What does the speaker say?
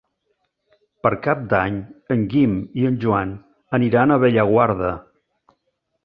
Per Cap d'Any en Guim i en Joan aniran a Bellaguarda.